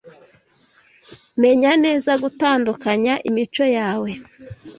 menya neza gutandukanya imico yawe